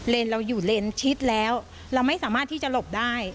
เราอยู่เลนชิดแล้วเราไม่สามารถที่จะหลบได้